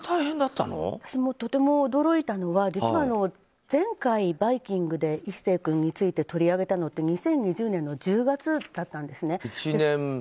私も、とても驚いたのは実は、前回「バイキング」で壱成君について取り上げたのって２０２０年の１０月だったんです。